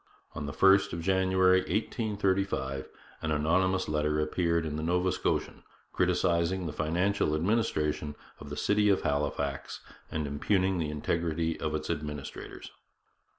On the 1st of January 1835 an anonymous letter appeared in the Nova Scotian criticizing the financial administration of the city of Halifax and impugning the integrity of its administrators.